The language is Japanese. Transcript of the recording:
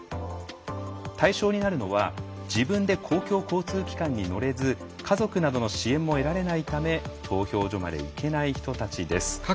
対象になるのは自分で公共交通機関に乗れず家族などの支援も得られないため投票所まで行けない人たちです。